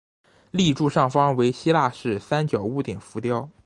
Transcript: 立柱上方为希腊式三角屋顶浮雕。